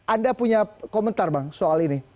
anda punya komentar bang soal ini